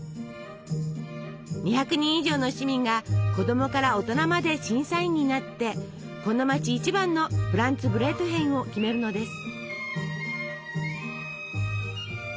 ２００人以上の市民が子供から大人まで審査員になってこの街一番のフランツブレートヒェンを決めるのです。